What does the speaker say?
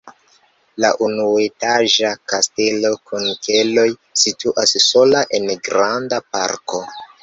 La unuetaĝa kastelo kun keloj situas sola en granda parko.